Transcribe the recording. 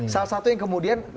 salah satu yang kemudian